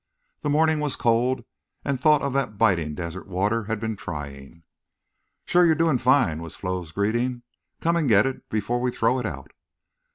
The morning was cold and thought of that biting desert water had been trying. "Shore you're doing fine," was Flo's greeting. "Come and get it before we throw it out."